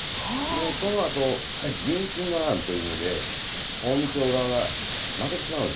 そのあと壬申の乱というので近江朝側が負けてしまうんですね。